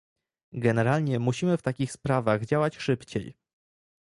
Generalnie musimy w takich sprawach działać szybciej